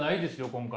今回。